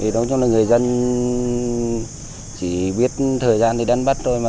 nói chung là người dân chỉ biết thời gian thì đắn bắt thôi mà